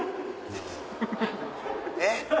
えっ？